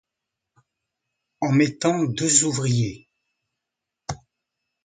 En mettant deux ouvriers?